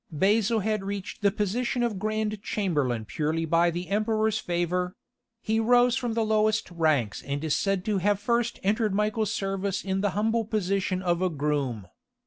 Basil had reached the position of grand chamberlain purely by the Emperor's favour; he rose from the lowest ranks and is said to have first entered Michael's service in the humble position of a groom.